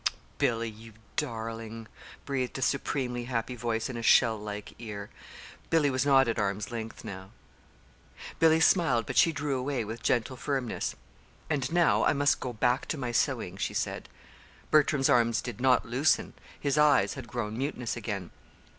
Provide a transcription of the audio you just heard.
"Billy, you darling!" breathed a supremely happy voice in a shell like ear Billy was not at arm's length now. Billy smiled, but she drew away with gentle firmness. "And now I must go back to my sewing," she said. Bertram's arms did not loosen. His eyes had grown mutinous again.